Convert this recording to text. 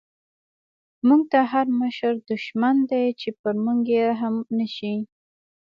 موږ ته هر مشر دشمن دی، چی په موږ یې رحم نه شی